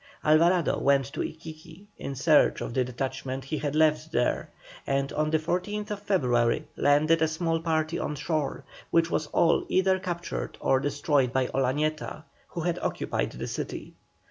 Alvarado went to Iquiqui in search of the detachment he had left there, and on the 14th February landed a small party on shore, which was all either captured or destroyed by Olañeta, who had occupied the city.